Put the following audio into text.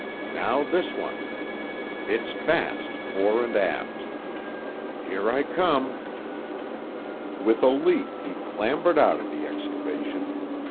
Now this one. It's fast, fore and aft. Here I come." With a leap he clambered out of the excavation.